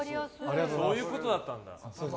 そういうことだったんだ。